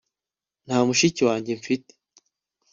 nta mushiki wanjye mfite